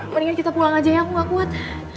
mendingan kita pulang aja ya aku gak kuat